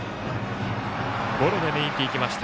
ゴロで抜いていきました。